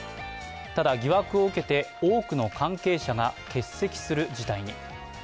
ただ、疑惑を受けて多くの関係者が欠席する事態に。